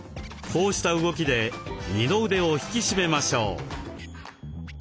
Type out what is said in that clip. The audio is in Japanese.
こうした動きで二の腕を引き締めましょう。